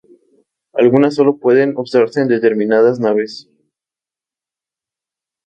Algunas solo pueden usarse en determinadas naves.